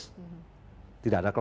maka kerja sama dengan luar negeri